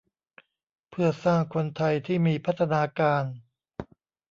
เพื่อสร้างคนไทยที่มีพัฒนาการ